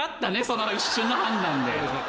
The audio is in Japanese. その一瞬の判断で。